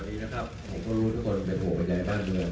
ตอนนี้ครับผมก็รู้ทุกคนเป็นโหขกันใจหน้าเรือน